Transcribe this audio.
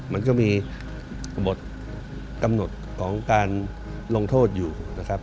มันก็มีบทกำหนดของการลงโทษอยู่นะครับ